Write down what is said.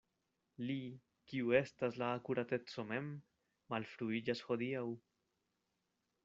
Li, kiu estas la akurateco mem, malfruiĝas hodiaŭ.